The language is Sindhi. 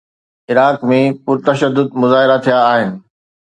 عراق ۾ پرتشدد مظاهرا ٿيا آهن.